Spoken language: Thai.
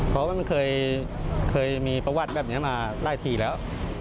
เพราะว่ามันเคยมีประวัติแบบนี้มาหลายทีแล้ว